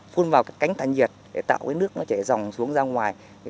phun vào cái cánh thản nhiệt để tạo cái nước nó chảy dòng xuống ra ngoài